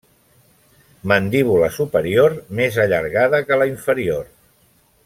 Mandíbula superior més allargada que la inferior.